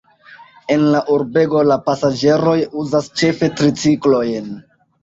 En la urbego la pasaĝeroj uzas ĉefe triciklojn.